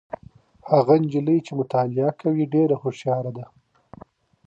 هغه نجلۍ چي مطالعه کوي ډېره هوښياره ده.